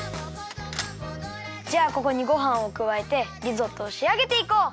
じゃあここにごはんをくわえてリゾットをしあげていこう！